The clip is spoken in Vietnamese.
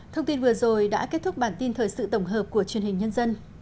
thông tin vừa rồi đã kết thúc bản tin thời sự tổng hợp của truyền hình nhân dân